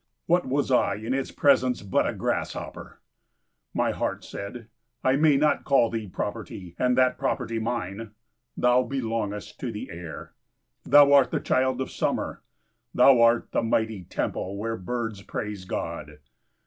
What was I in its presence but a grasshopper? My heart said, "I may not call thee property, and that property mine! Thou belongest to the air. Thou art the child of summer. Thou art the mighty temple where birds praise God.